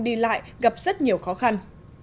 đi lại gặp rất nhiều khó khăn